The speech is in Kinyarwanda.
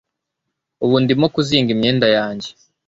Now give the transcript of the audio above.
Ubu ndimo kuzinga imyenda yanjye